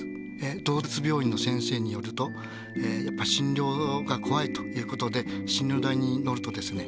動物病院の先生によるとやっぱり診療が怖いということで診療台に乗るとですねね